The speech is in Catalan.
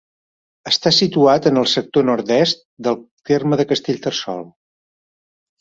Està situat en el sector nord-est del terme de Castellterçol.